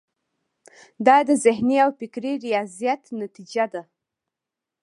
دا د ذهني او فکري ریاضت نتیجه ده.